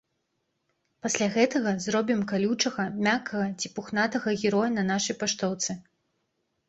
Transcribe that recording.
Пасля гэтага зробім калючага, мяккага ці пухнатага героя на нашай паштоўцы.